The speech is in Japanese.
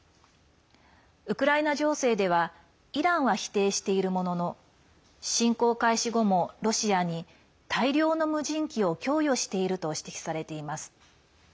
ウクライナ情勢ではイランは否定しているものの侵攻開始後もロシアに大量の無人機を供与していると指摘されています。